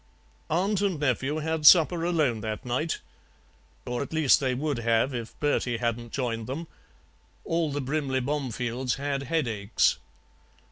"Aunt and nephew had supper alone that night, or at least they would have if Bertie hadn't joined them; all the Brimley Bomefields had headaches.